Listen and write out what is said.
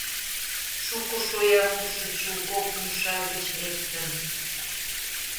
— Шуко шоя мутшо Чулков умша гыч лектын.